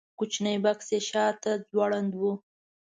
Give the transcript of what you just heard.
کوچنی بکس یې شاته ځوړند و.